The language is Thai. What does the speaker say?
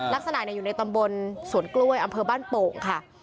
ลักษณะอยู่ในตำบลสวนกล้วยอำเภอบ้านโป่งค่ะ